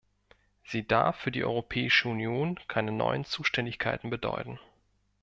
Sie darf für die Europäische Union keine neuen Zuständigkeiten bedeuten.